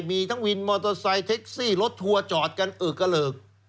มีทั้งวินมอเตอร์ไซค์เท็กซี่รถทัวร์จอดกันเออกระเหลิก